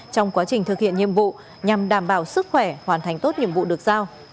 trong quá trình thực hiện nhiệm vụ nhằm đảm bảo sức khỏe hoàn thành tốt nhiệm vụ được giao